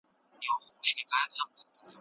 ولي استازی په نړیواله کچه ارزښت لري؟